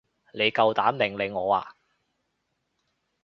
你夠膽命令我啊？